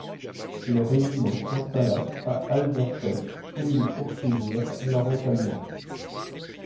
Le régiment s'installa à Aldershot où il poursuivirent leur entrainement.